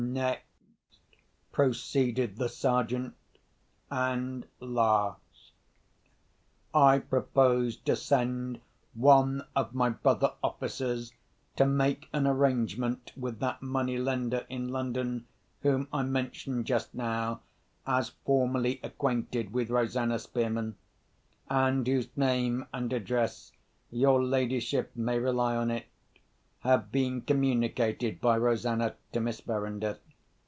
"Next," proceeded the Sergeant, "and last, I propose to send one of my brother officers to make an arrangement with that money lender in London, whom I mentioned just now as formerly acquainted with Rosanna Spearman—and whose name and address, your ladyship may rely on it, have been communicated by Rosanna to Miss Verinder.